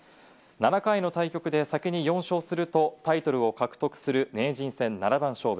７回の対局で先に４勝するとタイトルを獲得する、名人戦七番勝負。